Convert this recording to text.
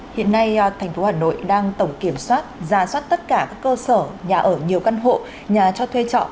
hiện nay thành phố hà nội đang tổng kiểm soát ra soát tất cả các cơ sở nhà ở nhiều căn hộ nhà cho thuê trọ